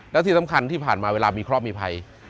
และที่สำคัญที่ผ่านมาเวลามีเคราะห์มีภัย